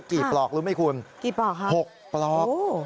กี่ปลอกรู้ไหมคุณหกปลอกครับ๖ปลอก